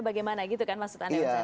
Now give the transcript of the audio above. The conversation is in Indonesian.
bagaimana gitu kan mas utani